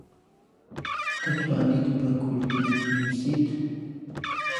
لەسەر ساواکی بوونی سەلاح زۆرم لۆمە کرد کە: